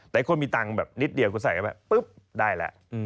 แต่คนมีคุณนิดเดียวคนซ่ายคุณไปปึ๊บได้ละ